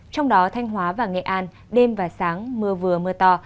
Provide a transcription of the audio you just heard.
trong đó thanh hóa và nghệ an đêm và sáng mưa vừa mưa to